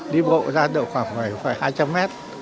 đi bộ ra được khoảng hai trăm linh mét